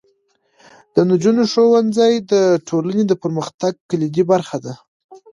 د نجونو ښوونځی د ټولنې د پرمختګ کلیدي برخه ده.